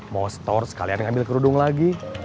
mau setor sekalian ngambil kerudung lagi